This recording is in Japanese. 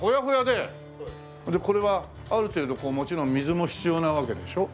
でこれはある程度もちろん水も必要なわけでしょ？